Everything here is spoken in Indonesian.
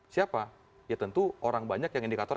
siapa ya tentu orang banyak yang indikator